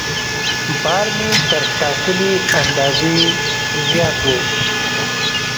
بار مې تر ټاکلي اندازې زیات و.